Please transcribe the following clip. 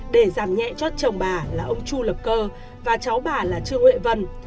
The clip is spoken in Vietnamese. để giảm nhẹ cho chồng bà là ông chu lập cơ và cháu bà là trương huệ vân